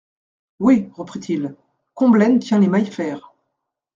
Oui, reprit-il, Combelaine tient les Maillefert.